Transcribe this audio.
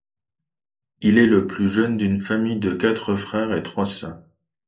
Il est le plus jeune d'une famille de quatre frères et trois sœurs.